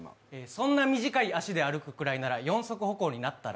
そんな短い足で歩くくらいなら四足歩行になったら？